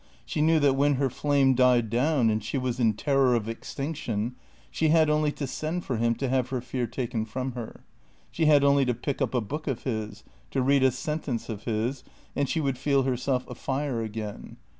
She knew that when her flame died down and she was in terror of extinction, she had only to send for him to have her fear taken from her. She had only to pick up a book of his, to read a sentence of his, and she would feel herself afire again.